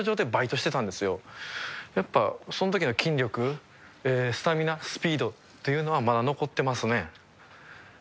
そのときの筋力スタミナスピードっていうのはまだ残ってますね。